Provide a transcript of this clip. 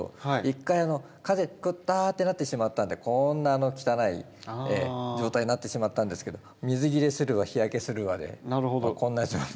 一回完全にクターッてなってしまったんでこんな汚い状態になってしまったんですけど水切れするわ日焼けするわでこんな状態に。